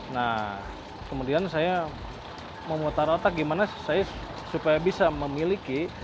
nah kemudian saya memutar otak gimana saya supaya bisa memiliki